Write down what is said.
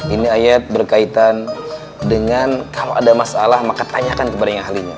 ini ayat berkaitan dengan kalau ada masalah maka tanyakan kepada yang ahlinya